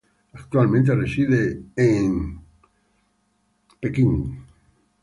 Actualmente reside en Nueva York.